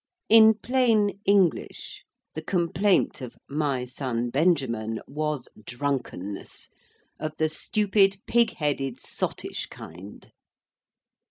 In plain English, the complaint of "My son Benjamin" was drunkenness, of the stupid, pig headed, sottish kind.